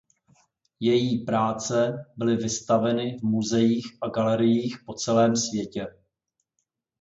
Její práce byly vystaveny v muzeích a galeriích po celém světě.